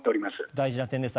大事な点です。